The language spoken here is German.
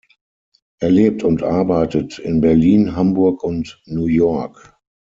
Er lebt und arbeitet in Berlin, Hamburg und New York.